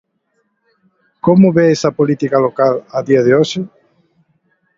Como ve esa política local a día de hoxe?